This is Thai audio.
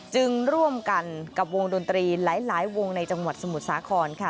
จึงร่วมกันกับวงดนตรีหลายวงในจังหวัดสมุทรสาครค่ะ